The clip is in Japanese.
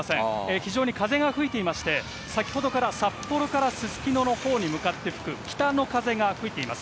非常に風が吹いていまして、先ほどから札幌からすすきののほうに向かって吹く北の風が吹いています。